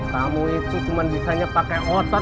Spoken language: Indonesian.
kamu itu cuman bisa pakai otot